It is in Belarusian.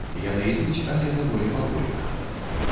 Яны ідуць, але даволі павольна.